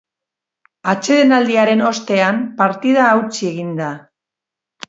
Atsedenaldiaren ostean, partida hautsi egin da.